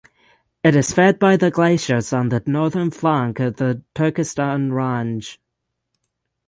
It is fed by the glaciers on the northern flank of the Turkestan Range.